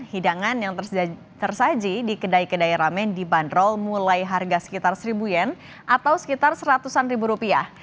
hidangan yang tersaji di kedai kedai ramen dibanderol mulai harga sekitar seribu yen atau sekitar seratusan ribu rupiah